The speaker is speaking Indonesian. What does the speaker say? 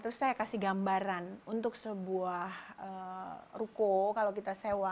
terus saya kasih gambaran untuk sebuah ruko kalau kita sewa